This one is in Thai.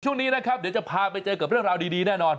ช่วงนี้นะครับเดี๋ยวจะพาไปเจอกับเรื่องราวดีแน่นอน